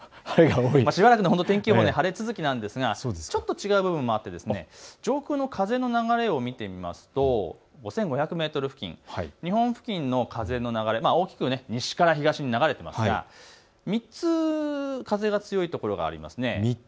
しばらく天気予報晴れ続きなんですがちょっと違う部分もあって上空の風の流れを見てみますと５５００メートル付近の風の流れ、大きく西から東に流れてますが３つ風が強いところがありますね。